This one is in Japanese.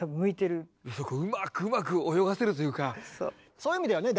そういう意味ではね